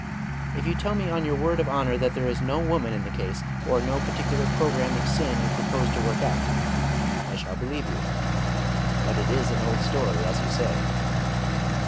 "If you tell me on your word of honour that there is no woman in the case, or no particular programme of sin you propose to work out, I shall believe you. But it is an old story, as you say."